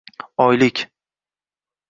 Oylik